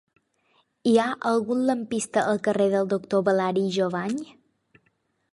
Hi ha algun lampista al carrer del Doctor Balari i Jovany?